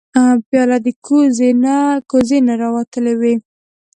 پیاله د کوزې نه راوتلې وي.